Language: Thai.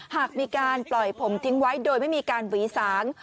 หากมีการปล่อยผมทิ้งไว้โดยไม่มีการหวีสาง